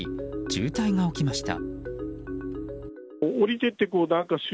渋滞が起きました。